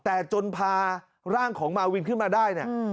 แต่จนพาร่างของมาวินขึ้นมาได้เนี่ย